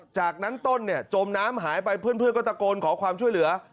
จากนั้นต้นเนี่ยจมน้ำหายไปเพื่อนก็ตะโกนขอความช่วยเหลือ